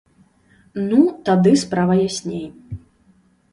Ну, тады справа ясней.